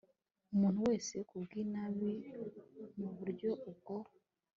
Umuntu wese ku bw inabi mu buryo ubwo